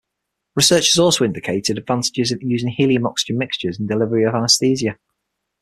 Research has also indicated advantages in using helium-oxygen mixtures in delivery of anaesthesia.